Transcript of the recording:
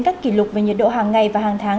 các kỷ lục về nhiệt độ hàng ngày và hàng tháng